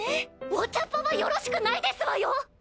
お茶っ葉はよろしくないですわよ！？